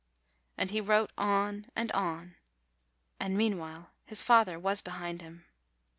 And he wrote on and on : and meanwhile his father was behind him.